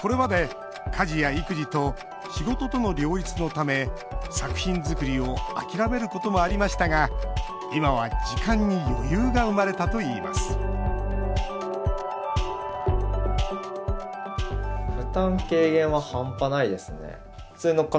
これまで、家事や育児と仕事との両立のため作品作りを諦めることもありましたが今は時間に余裕が生まれたといいます撮影当日。